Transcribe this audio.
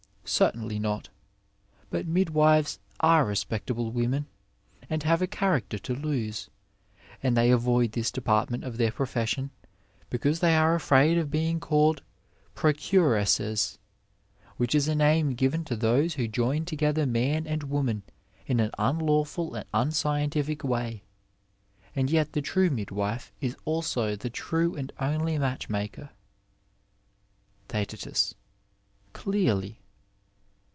Certainly not; but midwives are respectable women and have a character to lose, and they avoid this department of their profession, because they are afraid of being called procuresses, which is a name given to those who join together man and woman in an unlawful and unscientific way ; and yet the true midwife is also the true and (mly matchmaker. ThecBt. Clearly.